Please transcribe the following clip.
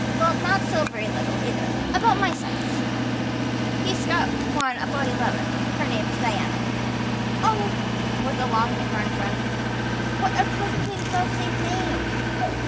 Well, not so very little either about my size." "He's got one about eleven. Her name is Diana." "Oh!" with a long indrawing of breath. "What a perfectly lovely name!"